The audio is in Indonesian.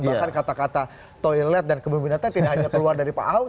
bahkan kata kata toilet dan kebembinantan tidak hanya keluar dari pak ahok